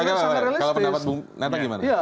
makanya kalau pendapat bung neta gimana